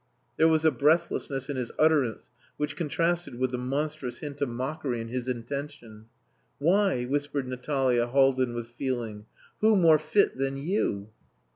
There was a breathlessness in his utterance which contrasted with the monstrous hint of mockery in his intention. "Why!" whispered Natalia Haldin with feeling. "Who more fit than you?"